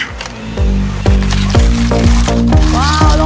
ว้าวลงมาแล้วโอ้โห